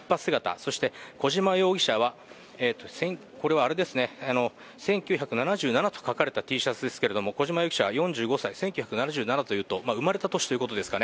そして小島容疑者は、これは「１９７７」と書かれたＴシャツですけれども、小島容疑者、１９７７というと生まれた年ということですかね。